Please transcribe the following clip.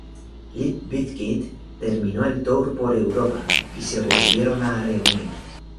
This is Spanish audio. Limp Bizkit terminó el tour por Europa, y se volvieron a reunir.